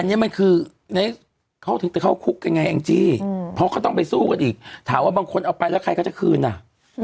อันนี้มันคือเขาถึงไปเข้าคุกกันไงแองจี้เพราะเขาต้องไปสู้กันอีกถามว่าบางคนเอาไปแล้วใครก็จะคืนอ่ะ